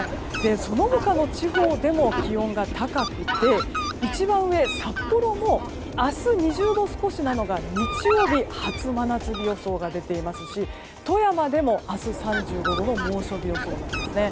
その他の地方でも気温が高くて、札幌も明日２０度少しなのが日曜日、初真夏日予想が出ていますし富山でも明日３５度の猛暑日予想なんですね。